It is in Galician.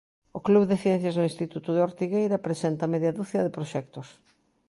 O club de ciencias do instituto de Ortigueira presenta media ducia de proxectos.